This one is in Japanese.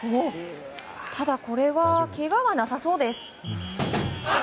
ただ、これはけがはなさそうです。